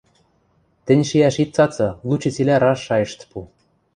Тӹнь шиӓш ит цацы, лучи цилӓ раш шайышт пу...